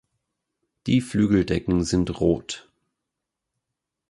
Die Flügeldecken sind rot.